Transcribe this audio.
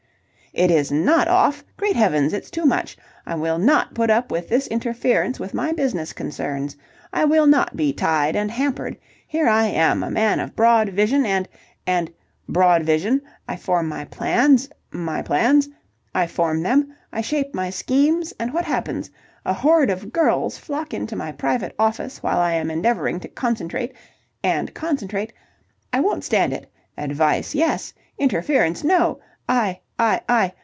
"It is not off! Great heavens! It's too much! I will not put up with this interference with my business concerns. I will not be tied and hampered. Here am I, a man of broad vision and... and... broad vision... I form my plans... my plans... I form them... I shape my schemes... and what happens? A horde of girls flock into my private office while I am endeavouring to concentrate... and concentrate... I won't stand it. Advice, yes. Interference, no. I... I... I...